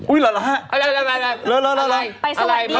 อุ๊ยหรออะไร